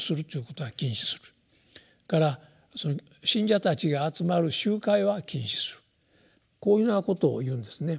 それから信者たちが集まる集会は禁止するこういうようなことを言うんですね。